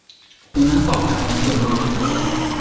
คุณทั้งสองหาเงิน คุณรู้